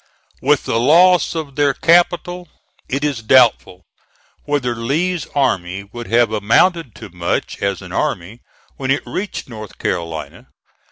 With the loss of their capital, it is doubtful whether Lee's army would have amounted to much as an army when it reached North Carolina.